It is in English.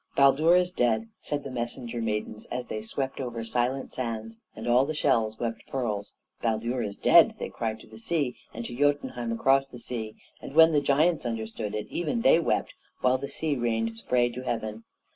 "Baldur is dead!" said the messenger maidens as they swept over silent sands; and all the shells wept pearls. "Baldur is dead!" they cried to the sea, and to Jötunheim across the sea; and when the giants understood it, even they wept, while the sea rained spray to heaven.